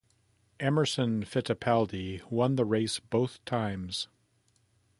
Emerson Fittipaldi won the race both times.